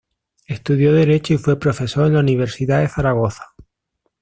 Estudió Derecho y fue profesor en la Universidad de Zaragoza.